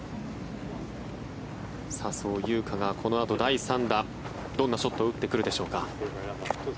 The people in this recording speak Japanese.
笹生優花がこのあと第３打どんなショットを打ってくるでしょうか。